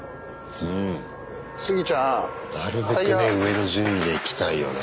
なるべくね上の順位でいきたいよね